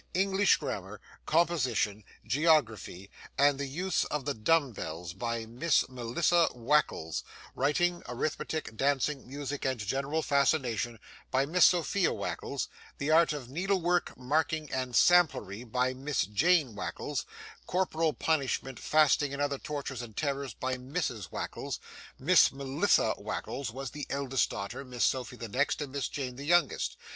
English grammar, composition, geography, and the use of the dumb bells, by Miss Melissa Wackles; writing, arithmetic, dancing, music, and general fascination, by Miss Sophia Wackles; the art of needle work, marking, and samplery, by Miss Jane Wackles; corporal punishment, fasting, and other tortures and terrors, by Mrs Wackles. Miss Melissa Wackles was the eldest daughter, Miss Sophy the next, and Miss Jane the youngest.